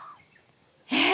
えっ！